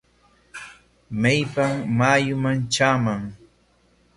¿Maypam mayuman traaman?